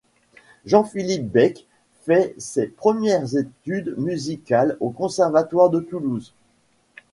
Jean-Philippe Bec fait ses premières études musicales au conservatoire de Toulouse.